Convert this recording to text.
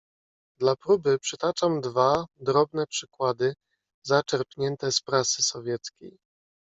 "Dla próby przytaczam dwa drobne przykłady, zaczerpnięte z prasy sowieckiej."